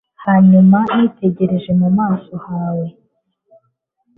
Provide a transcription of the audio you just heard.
hanyuma nitegereje mu maso hawe